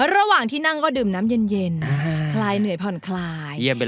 ระหว่างที่นั่งก็ดื่มน้ำเย็นคลายเหนื่อยผ่อนคลาย